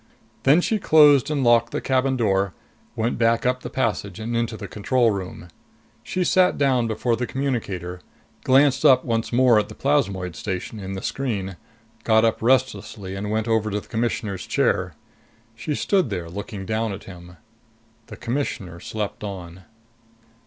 Then she closed and locked the cabin door, went back up the passage and into the control room. She sat down before the communicator, glanced up once more at the plasmoid station in the screen, got up restlessly and went over to the Commissioner's chair. She stood there, looking down at him. The Commissioner slept on.